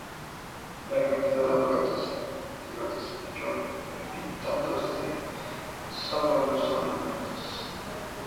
La cantidad de objetos en el entierro disminuyó, limitándose solo a los ornamentos.